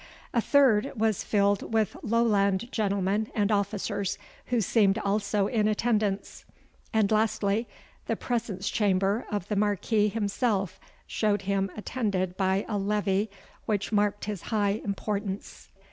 A third was filled with Lowland gentlemen and officers, who seemed also in attendance; and, lastly, the presence chamber of the Marquis himself showed him attended by a levee which marked his high importance.